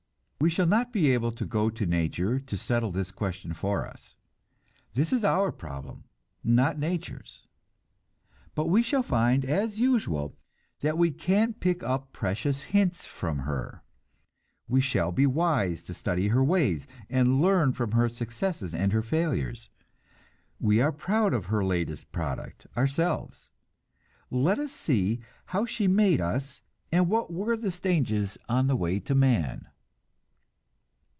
We shall not be able to go to nature to settle this question for us. This is our problem, not nature's. But we shall find, as usual, that we can pick up precious hints from her; we shall be wise to study her ways, and learn from her successes and her failures. We are proud of her latest product, ourselves. Let us see how she made us; what were the stages on the way to man?